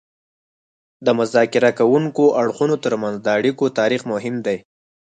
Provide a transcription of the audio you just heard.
د مذاکره کوونکو اړخونو ترمنځ د اړیکو تاریخ مهم دی